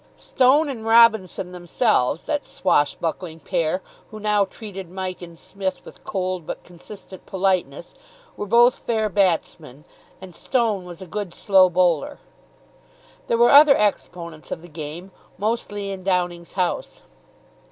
Stone and Robinson themselves, that swash buckling pair, who now treated Mike and Psmith with cold but consistent politeness, were both fair batsmen, and Stone was a good slow bowler. There were other exponents of the game, mostly in Downing's house.